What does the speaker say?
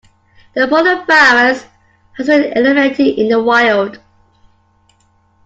The poliovirus has been eliminated in the wild.